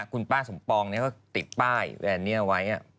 คุณป้าสมปองก็ติดป้ายแบบนี้ไว้